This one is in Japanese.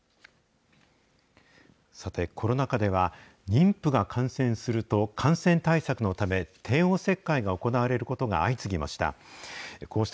さて、コロナ禍では、妊婦が感染すると、感染対策のため、帝王切開が行われることが相次ぎました。